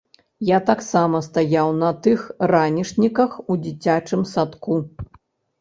Я таксама стаяў на тых ранішніках у дзіцячым садку.